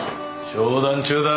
商談中だ！